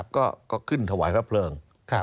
ก็ขึ้นถวายพระเพลิง